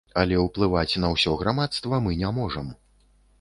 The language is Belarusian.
Але ўплываць на ўсё грамадства мы не можам.